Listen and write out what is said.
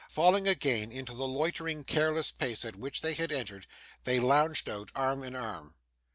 Falling, again, into the loitering, careless pace at which they had entered, they lounged out, arm in arm.